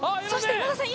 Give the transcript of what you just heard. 今田さん